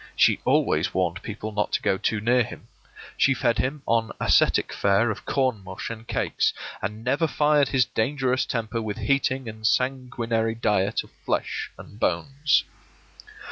She always warned people not to go too near him. She fed him on ascetic fare of corn mush and cakes, and never fired his dangerous temper with heating and sanguinary diet of flesh and bones.